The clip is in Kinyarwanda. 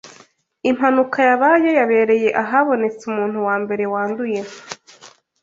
Impanuka yabaye yabereye ahabonetse umuntu wambere wanduye